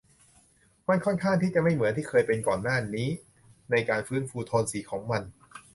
มันค่อนข้างที่จะไม่เหมือนที่เคยเป็นก่อนหน้านี้ในการฟื้นฟูโทนสีของมัน